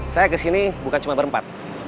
saya kesini bukan cuma berempat